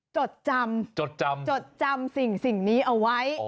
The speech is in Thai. จดจำจดจำจดจำสิ่งนี้เอาไว้